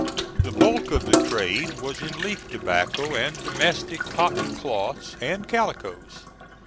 The bulk of the trade was in leaf tobacco, and domestic cotton cloths and calicoes.